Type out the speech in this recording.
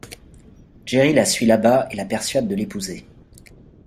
Jerry la suit là-bas et la persuade de l'épouser.